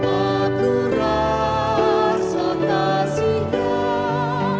aku rasa tak senggak